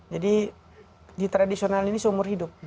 jadi di tradisional ini seumur hidup